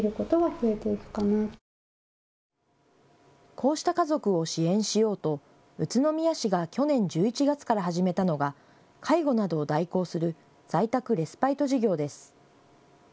こうした家族を支援しようと宇都宮市が去年１１月から始めたのが介護などを代行する在宅レスパイト事業です。